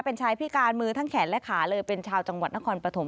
เป็นชายพิการมือทั้งแขนและขาเลยเป็นชาวจังหวัดนครปฐม